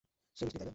সে মিষ্টি, তাই না?